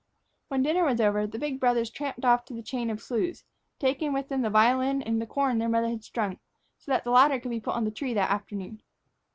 When dinner was over, the big brothers tramped off to the chain of sloughs, taking with them the violin and the corn their mother had strung so that the latter could be put on the tree that afternoon.